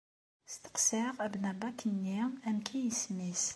Steqsaɣ abnabak-nni amek isem-is.